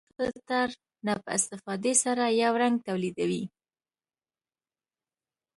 د نوري فلټر نه په استفادې سره یو رنګ تولیدوي.